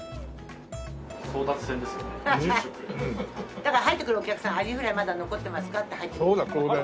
だから入ってくるお客さん「アジフライまだ残ってますか？」って入ってくる。